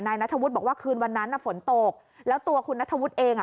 นัทธวุฒิบอกว่าคืนวันนั้นน่ะฝนตกแล้วตัวคุณนัทธวุฒิเองอ่ะ